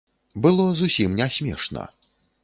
Было зусім не смешна.